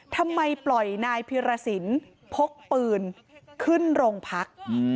ทำไมปล่อยนายพิรสินพกปืนขึ้นโรงพัก